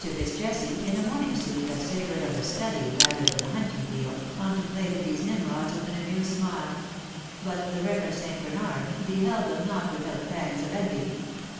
Fitz Jesse, in a morniug suit that savoured of the study rather than the hunting field, contemplated these Nimrods with an amused smile ; but the Ileverend St. Bernard beheld them not VOL. IIT. K 130 ^'^GAI DONC; LA VOYAGEUSE,, without pangs of envy.